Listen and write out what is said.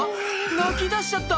泣きだしちゃった